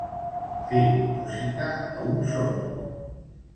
Fer música a un sord.